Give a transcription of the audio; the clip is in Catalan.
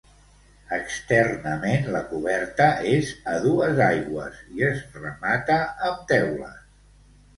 Externament la coberta és a dues aigües i es remata amb teules.